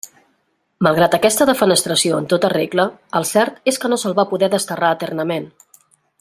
Malgrat aquesta defenestració en tota regla, el cert és que no se'l va poder desterrar eternament.